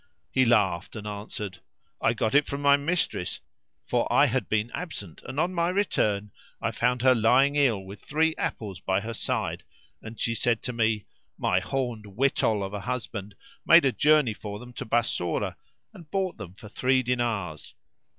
He laughed and answered, "I got it from my mistress, for I had been absent and on my return I found her lying ill with three apples by her side, and she said to me, 'My horned wittol of a husband made a journey for them to Bassorah and bought them for three dinars.'